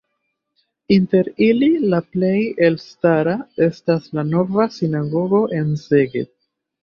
Inter ili la plej elstara estas la nova sinagogo en Szeged.